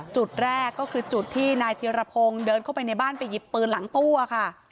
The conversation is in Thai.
จุดแรกก็คือจุดที่นายธิรพงศ์เดินเข้าไปในบ้านไปหยิบปืนหลังตู้ค่ะ